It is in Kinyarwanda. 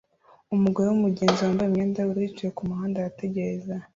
Umugore wumugenzi wambaye imyenda yubururu yicaye kumuhanda arategereza